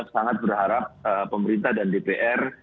sangat berharap pemerintah dan dpr